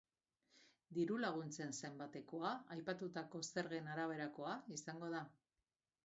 Diru-laguntzen zenbatekoa aipatutako zergen araberakoa izango da.